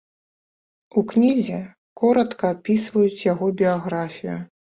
У кнізе коратка апісваюць яго біяграфію.